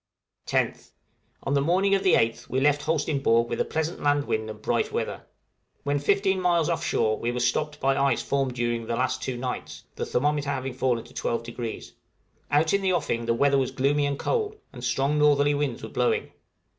10th. On the morning of the 8th we left Holsteinborg with a pleasant land wind and bright weather. When 15 miles off shore we were stopped by ice formed during the last two nights, the thermometer having fallen to 12°; out in the offing the weather was gloomy and cold, and strong northerly winds were blowing.